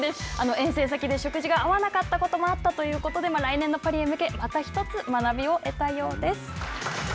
遠征先で食事が合わなかったということもあって来年のパリへ向け、また一つ学びを得たようです。